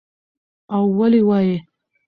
او ولې وايى